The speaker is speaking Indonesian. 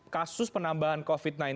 kasus penambahan covid sembilan belas